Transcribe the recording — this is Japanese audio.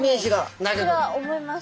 それは思います。